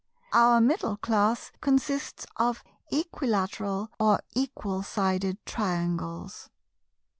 Our Middle Class consists of Equilateral or Equal Sided Triangles.